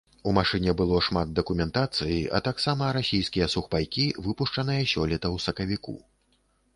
У машыне было шмат дакументацыі а таксама расійскія сухпайкі, выпушчаныя сёлета ў сакавіку.